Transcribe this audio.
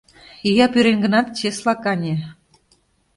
Ия пӱрен гынат, чеслак, ане.